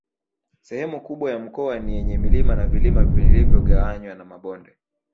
Sehemu kubwa ya mkoa ni yenye milima na vilima vilivyogawanywa na mabonde